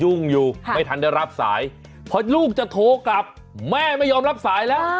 อยู่ไม่ทันได้รับสายพอลูกจะโทรกลับแม่ไม่ยอมรับสายแล้ว